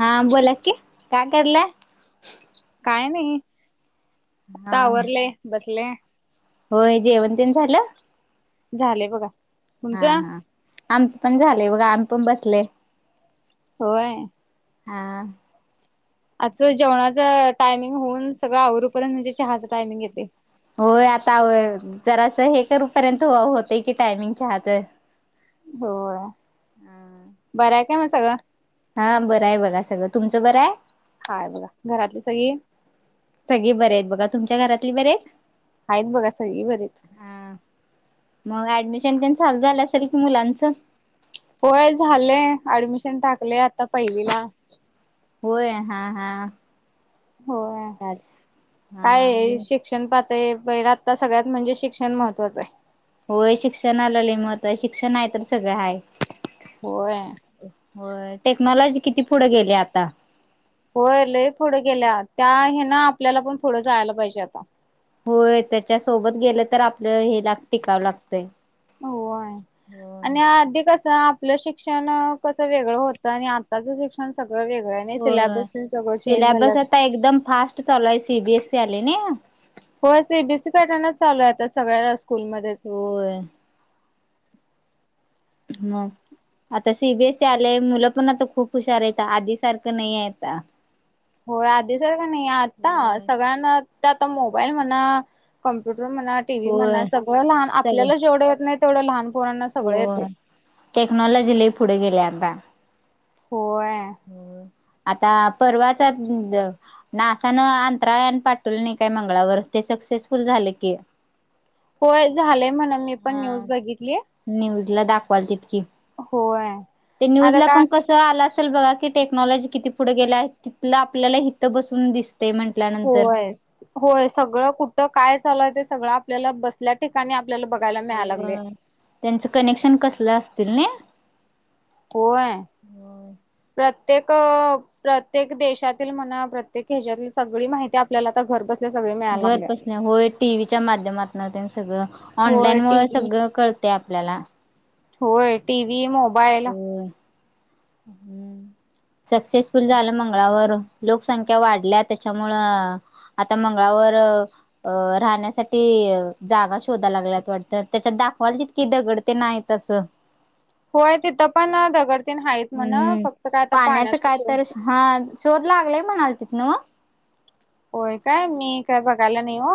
हा बोलात की काय करलंय काय नाही हा आता आवरले बसले होय जेवंतन झालं झालेय बघा हा तुमचं हा आमचं पण झालंय बघा आम्ही पण बसले होय हा आज जेवणाच टायमिंग होऊन सगळं आवरपर्यंत म्हणजे चहाचा टायमिंग येते होय आता जरा असं हे करूपर्यंत होत की टायमिंग चहाचं होय बरं आहे काय मग सगळं हा बरं आहे बघा सगळं तुमचं बरं आहे हाय बघा घरातली सग सगळे बरे आहेत बघा तुमच्या घरातली बरे आहेत हाईत बघा सगळी घरीच हा मग ऍडमिशन तेन चालू झाल असेल की मुलांचं होय झालंय ऍडमिशन टाकलय आता पहिलीला. होय हा हा होय. चालतंय हा काय शिक शिक्षण पातळी बघितलं आत्ता सगळ्यात म्हणजे शिक्षण महत्वाचं आहे. होय शिक्षणाला लय महत्त्व हाय शिक्षण हाय तर सगळं हाय. होय. होय टेक्नॉलॉजी किती पुढ गेलीय आता होय लई पुढं गेल्या त्या हे ना आपल्याला पण पुढं जायला पाहिजे आता. होय त्याच्या सोबत गेलं तर आपलं हे लाग टिकावं लागतंय. होय. होय. आणि आधी कसं आपलं शिक्षण कसं वेगळं होतं आणि आताचं शिक्षण सगळं वेगळंय. हो सिलेबस आता एकदम फास्ट चालू आहे सी बी एस सी आली नय. हो सी बी एस सी पॅटर्नच चालू हाय सगळ्या स्कूलमध्येच होय. म आता सी बी एस सी आलेय मुलं पण आता खूप हुशार आहेता आधी सारखं नय ये आता. होय आधी सारखा का नाही आत्ता होय. सगळ्यांना त आता मोबाईल म्हणा कम्प्युटर म्हणा टीव्ही म्हणा होय सगळं लहान सगळे आपल्याला जेवढे येत नाहीत तेवढ लहान पोरांना सगळं येते होय टेक्नॉलॉजी लई पुढे गेलीय आता. होय. आता परवाचा द नासान अंतराळ यान पाठवलं नाय काय मंगळावर ते सक्सेसफुल झालं की. होय झालंय म्हण हा न्यूज ला दाखवाल तित की होय. ते न्यूज आता ला का पण कसं आला असं असल बघा की टेक्नॉलॉजी किती पुढ गेल आहे तिथलं आपल्याला हित बसून दिस होयस होय सगळं कुठं काय चालू हाय ते सगळं आपल्याला बसल्या ठिकाणी आपल्याला बघ होय त्यांचं कनेक्शन कसलं असतील नय. होय. होय. प्रत्येक प्रत्येक देशातील म्हणा प्रत्येक ह्याच्यातील सगळी माहिती आपल्याला आता घर बस घरपसण्या होय टी व्हीच्या माध्यमातन त्यांनं सगळं होय ऑनलाईन मुळ टीव्ही सगळं कळतय आपल्याला होय टीव्ही, मोबाईल हूं सक्सेसफुल झालं मंगळावर लोकसंख्या वाढल्या त्याच्यामूळ आता मंगळावर अ राहण्यासाठी जागा शोधा लागल्यात वाटत त्याच्यात दाखवायला तीत की दगड ते नाहीत असं होय तिथं पण दगड तेन हाईत म्हण हम्म फक्त काय आता काय पाण्याचं हे तर हा शोध लागलाय म्हणाल तिथ न ओ होय काय मी काय बघायला नाही हो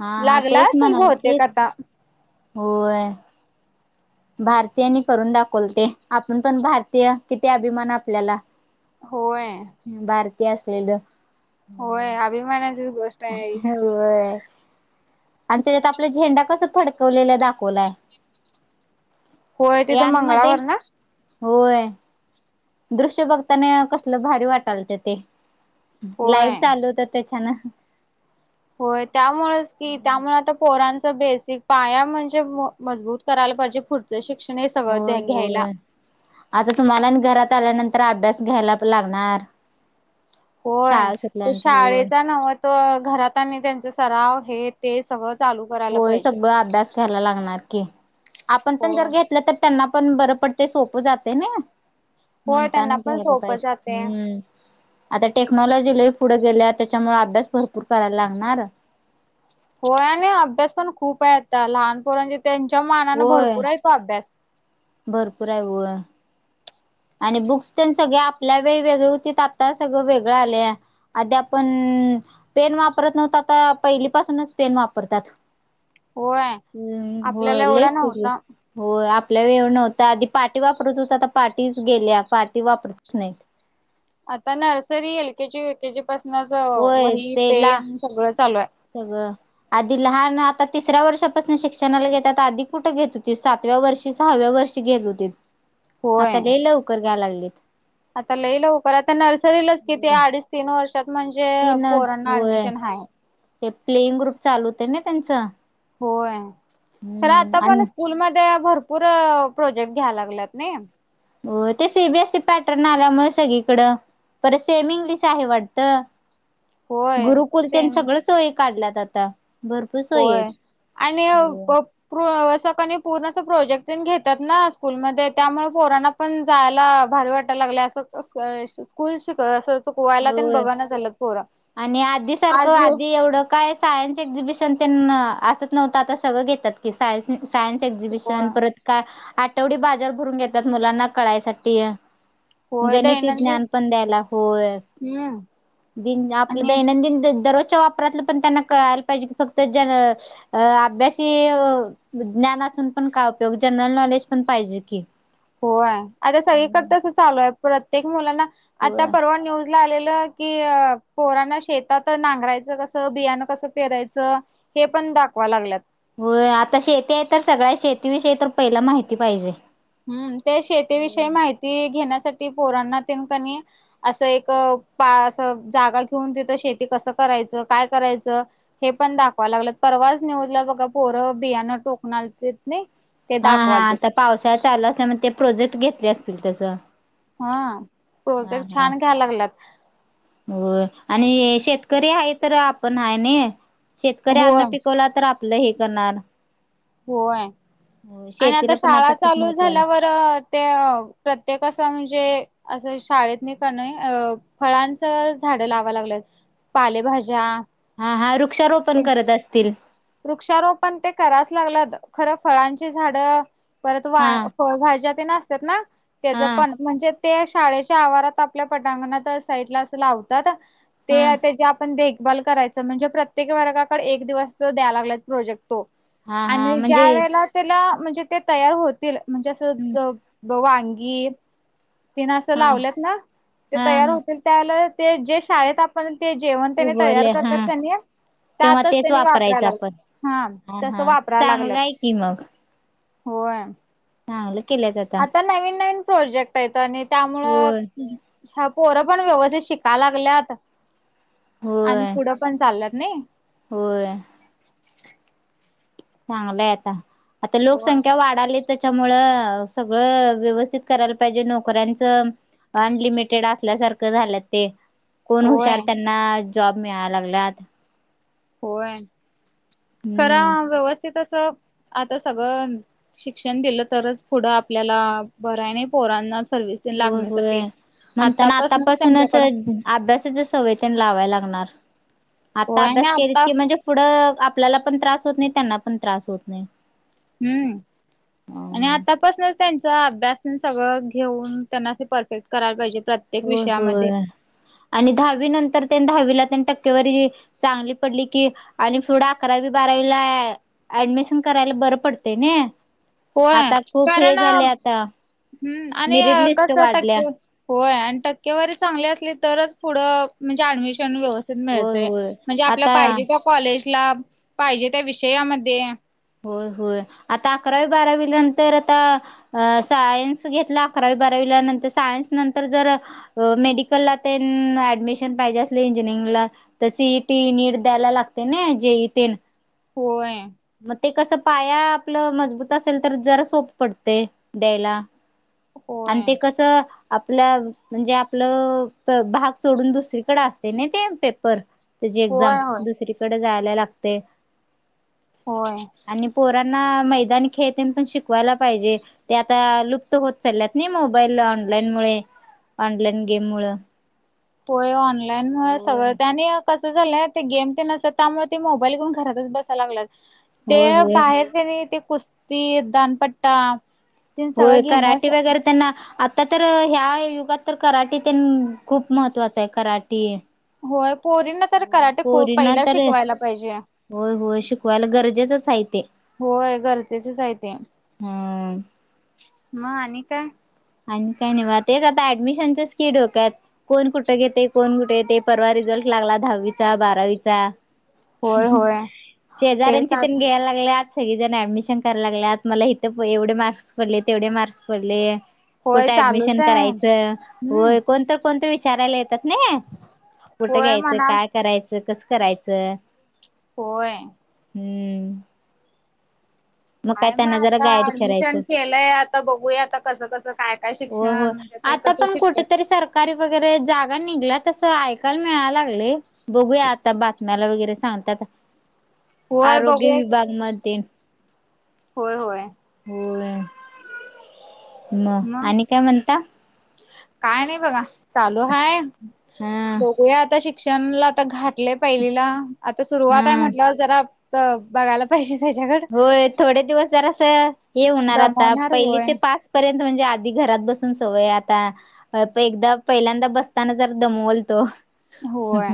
हा हा लागला तेच असेल म्हणाल बहुतेक तेच आता होय. भारतीयांनी करून दाखवल ते आपण पण भारतीय किती अभिमान आपल्याला होय. भारती असलेलं. होय अभिमानाची गोष् होय आणि त्याच्यात आपला झेंडा कसं फडकवलेला दाखवलाय. होय तिथं यान मध्ये मंगळावर ना होय. दृश्य बघताना कसलं भारी वाटालते ते लाईव्ह होय चालवत्यात त्याचनं होय त्यामुळेच की त्यामुळे आता पोरांचा बेसिक पाया म्हणजे म मजबूत करायला पाहिजे पुढ च्या शिक्षण हे सगळं द्या होय घ्यायला. होय आता तुम्हाला आणि घरात आल्यानंतर अभ्यास घ्यायला पण लागणार. होय शाळा तू सुटल्यानंतर होय शाळेचा नव्ह तं घरातनी त्यांचे सराव हे ते सगळ चालू करायला पाहिजे. घ्याला लागणार की आपण पण होय जर घेतलं तर त्यांना पण बरं पडते सोपं जाते ना होय त्यांना म्हणताने पण घ्याले सोपं पाहिजे जाते हम्म. आता टेक्नॉलॉजी लई पुढे गेल्या त्याच्यामुळे अभ्यास भरपूर कराय लागणार. होय आणि अभ्यास पण खूप आहे आता लहान पोरांचे त्यांच्या मानाने होय भरपूर आहे तो अभ्यास. भरपूर आहे व्हय. आणि बुक्स तेन सगळे आपल्या वेगवेेगळे होतीत आता सगळं वेगळं आल्या. आध्या आपण पेन वापरत नव्हतं आता पहिली पाासूनच पेन वापरतात. होय आपल्याला एवढा नव्हता. हो आपल्याला एव नव्हतां आधी पाटी वापरत होता तर पाटीच गेल्या पार्टी वापरतच नाही. आता nursery, L K G, U K G पासूनच होय वही, तेला पेन सगळं चालू आहे. सगळं आधी लहान आता तिसऱ्या वर्षापासून शिक्षणाला घेत आता आधी कुठं घेत होती सात तव्या, सहाव्या वर्षी घेत होते. ह होय लागलेत. आता लई लवकर आता नर्सरीलाच किती हो अडीच तीन वर्षात म्हणजे तीन पोरांना होय ऍडमिशन आहे. ते प्लेइंग ग्रुप चालू होते ना त्यांचं. होय खरं आता हम्म पण आणि स्कूल मध्ये भर पुर प्रोजेक्ट घ्या लागलात नाही. हो ते सी बी एसी पॅटर्न आल्यामुळे सगळीकडं. तर सेमी इंग्लिश आहे वाटतं होय गुरुकुलतेन सेम सगळं सोय काढल्यात आता. भरपूर सोयी आहेत. होय आणि अव हो. पप प्रू असं क नी पूर्ण असं प्रोजेक्ट तेन घेतात ना स्कूलमध्ये त्यामुळे पोरांना पण जायला भारी वाटायला लागल्या असं कसं शै स्कूल शिक असं चू पोवायला तर होय. बघानं चाललेत पोरा आणि आधी सारखं आज आधी एवढं काय सायन्स एक्झिबिशन त्यांना असत नव्हतं आता सगळं घेतात की सायस नी सायन्स होय एक्झिबिशन परत काय आठवडी बाजार भरून घेतात मुलांना कळायसाठी. होय गणिती दैनंदिन ज्ञान पण द्यायला होय. हम्म. दिन आपलं आणि दैनंदिन दर दररोजच्या वापरातलं पण त्यांना कळायला पाहिजे की फक्त ज्याल अ अभ्यासी अ विज्ञानातून पण काय उपयोग जनरल नॉलेज पण पाहिजे की. होय, आता सगळीकडे हम्म. तस चालू आहे प्रत्येक मुलांना आता होय परवा न्यूज आलेलं की अ पोरांना शेतात नांगरायचं कसं, बियाणं कसं पेरायचं. ते पण दाखवा लागल्यात. होय, आता शेती आहे तर सगळ्या शेतीविषयी तर पहिला माहिती पाहिजे. हम्म ते शेतीविषयी होय. माहिती घेण्यासाठी पोरांना तेनकणी असं एक पा असं जागा घेऊन तिथं शेती कसं करायचं, काय करायचं. हे पण दाखवां लागलं परवाच न्यूजला बघा पोरं बियाणं टोकणार ते नाही, ते दाखवालतीत. चालु असल्या, ते प्रोजेक्ट घेतले असतील तस. हा प्रोजेक्ट छान घ्या लागलात. हो आणि शेतकरी आहे तर आपण हाय न. शेतकरी होय अन्न पिकवला तर आपलं हे करणार. होय हो आणि आता शेतीला पण शाळा खूप चालू महत्त्व आलंय झाल्यावर ते प्रत्येका असं म्हणजे. असं शाळेत नाही क नी अ फळांचं झाडं लावा लागलेत. पालेभाज्या. हा हा वृक्षारोपण ते करत असतील. वृक्षारोपण ते कराच लागल्यात, खरं फळांची झाड. परत वा हा फळभाज्या तेन असतात ना त्याच हा पण म्हणजे ते शाळेच्या आवारात आपल्या पटांगणात साईडला अस लावत ते हा त्याची आपण देखभल करायच म्हणजे प्रत्येक वर्गाकडे एक दिवस ते द्या लागल्यात प्रोजेक्ट तो, हा हा आणि म्हणजे ज्या वेळेला त्याला म्हणजे ते तयार होतील म्हणजें असं वांगी तीन अस हा लावल्यात ना, ते हा तयार होतील त्या ते जे शाळेत पण ते जेवण त्यानी तयार उगवले हा करतात कणी, तेव्हा त्यातच तेच त्यानी वापर वापरायचं परा आपण हा, तस हा वापराला चांगलं लागलंत, आहे की होय. हा हे केल्यागत. आता नवीन-नवीन प्रोजेक्ट येत आणि त्यामुळं. होय पोरं पण व्यवस्थित शिकाय लागल्यात, आणि होय पुढं पण चालल्यात नाही. होय. चांगलंय आता, आता होय लोकसंख्या वाढाली तर त्याच्यामुळ सगळं व्यवस्थित करायला पाहिजे नोकऱ्यांचं. अनलिमिटेड असल्यासारखं झालं ते. कोण हुशार होय त्यांना जॉब मिळा लागल्यात. होय, खरा हम्म व्यवस्थित अस आता सगळं. शिक्षण दिलं तरच पुढं आपल्याला बऱ्याने पोरांना सर्विस. होय होय, लागण्यासाठी म्हणताना आतापासूनच अभ्यासाचे सवय तेण लावाय लागणार, आता होय अभ्यास ना केलीत आता की म्हणजे पुढं आपल्याला पण त्रास होत नाही त्यांना पण त्रास होत नाही. हम्म. आणि आतापासंच त्यांचा अभ्यास सगळं घेऊन त्यांना अस परफेक्ट करायला पाहिजे प्रत्ये हो हो, आणि दहावी नंतर त्या दहावीला त्यां टक्केवारी. चांगली पडली की आणि पुढं अकरावी बारावीला ऍडमिशन करायला बरं पडते नइ. होय कारण आता हम् आणि मेरिट लिस्ट कस वाढल्या टक्के होय आणि टक्केवारी चांगली असली तरच पुढं म्हणजे ऍडमिशन व्यवस्थित होय मिळतय होय म्हणजे आपला आता पाहिजे त्या कॉलेजला, पाहिजे त्या विषयामध्ये होय होय आता अकरावी बारावीलांतर तर आता सायन्स घेतला अकरावी बारावीला नंतर सायन्स नंतर जर मेडिकलला ते ऍडमिशन पाहिजे असले इंजिनिअरिंगला त सी टी नीट द्यायला लागते ना जे इ तीन. होय.. मग ते कसं पाया आपलं मजबूत असेल तर जरा सोप पडते द्यायला. होय आणि ते कसं आपलं म्हणजे आपलं भाग सोडून दुसरीकडे असत ते नाही ते पेपर त्याची होय एक्झाम होय दुसरीकडे जायला लागते. होय. आणि पोरांना मैदानी खेळ पण शिकवायला पाहिजे ते आता लुप्त हो चाल्यात नाही मोबाईल ऑनलाईन मुळे ऑनलाईन गेम मूळ. होय ऑनलाईन मुळ सगळं त्यांनी आणि कस झालंय ते गेम ते नसत त्यामुळे ते मोबाईल घेऊन घरातच बसायला लागलात ते होय होय बाहेर त्या ते कुस्ती, दानपट्टा ते होय सगळं कराटे घेण्यास वगैरे त्यांना तर तर ह्या युगात तर कराट ते खूप महत्त्वाचं आहे, कराटे होय पोरीना तर हो, कराटे खूप पोरींना पहिला तर शिकवायला पाहिजे. होय होय शिकवायला गरजेचंच आहे ते. होय गरजेचच आहे ते. हम्म. मग आणि काय? आणि काही नाही बा तेच आता ऍडमिशनच्याच ककी डोक्यात. कोण कुठं घेते? कोण कुठे येते? परवा रिझल्ट लागला दहावीचा बारावीचा. होय होय तेच शेजऱ्यांची त्यां आता घ्यायला लागल्यात. सगळी जण ऍडमिशन कराय लागत मला इथं एवढे मार्क्स पडले, तेवढे मार्क्स पडले. होय कुठे चालूच ऍडमिशन आहे करायचं व हम्म कोणत कोणत विचारायला येतात नाही. कुठं होय घ्यायचं? म्हणा काय करायचं? कसं करायचं? होय. हम्म. काय मग त्यांना जरा आता गाईड ऍडमिशन करायचं केलंय आता बघूया आता कसं कसं काय काय शिक्षण? म्हणजे ते आता कसं पण शिकतात कुठेतरी साथ कारी वगैरे जागा निघल्या तस ऐकायला मिळा लागले बघूया आता मला वगैरे सांगतात होय आरोग्य बघूया विभाग म होय होय. हो मग आणि काय म्हणता? काय नाही बघा चालू हाय हा बघूया आता शिक शाम ला घातलं आता पहिलीआ सुरवात हा मम्हटलं जरा बघायला पाहिजे त्याच्याकडे. होय थोडे दिवस जरा अस हे होणार आता दमवणार पहिली होय ते पाच पर्यंत म्हणजे आधी घरात बसून सवय आता अ पण एकदा पहिल्यांदा बसताना जर दमवोलतो. होय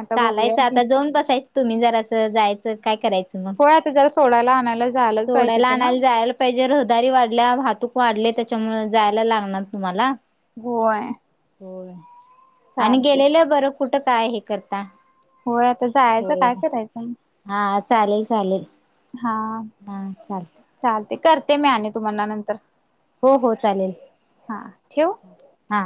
आता बघूया की आता जाऊन बसायचं. तुम्ही जरा असं जायचं काय करायचं मग. होय आता जरा सोडायला आणायला झालाच पाहिजे सोडायला त्याला आणायला जायला पाहिजे रहदारी वाढल्या वाहतूक वाढले त्याच्यामुळे जायला लागणार तुम्हाला होय. हो आणि चालते गेलेलं बरं कुठं काय हे करता. हो आता जायचं होय काय करायचं मग हा चालेल चालेल. हा हा चालत. चालते करते मी आणि तुम्हाना नंतर. हो हो चालेल हा ठेवू हा.